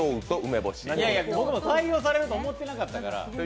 僕も採用されると思ってなかったから。